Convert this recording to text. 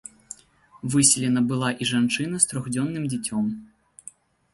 Выселена была і жанчына з трохдзённым дзіцём.